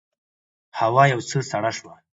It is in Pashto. هوا یو څه سړه شوه.